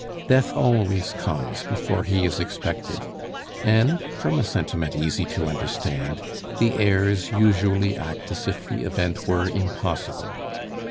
Death always comes before he is expected; and, from a sentiment easy to understand, the heirs usually act as if the event were impossible.